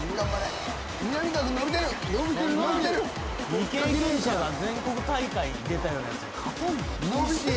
未経験者が全国大会に出たようなやつに勝てんの？